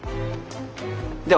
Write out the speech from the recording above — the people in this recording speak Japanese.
では。